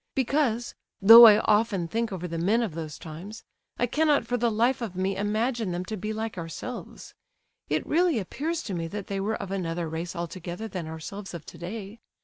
"Because, though I often think over the men of those times, I cannot for the life of me imagine them to be like ourselves. It really appears to me that they were of another race altogether than ourselves of today.